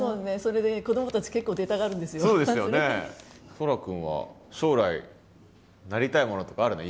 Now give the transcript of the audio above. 蒼空くんは将来なりたいものとかあるの？